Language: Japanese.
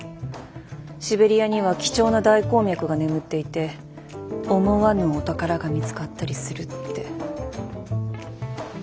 シベリアには貴重な大鉱脈が眠っていて思わぬお宝が見つかったりするって。